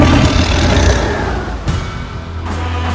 sampai jumpa lagi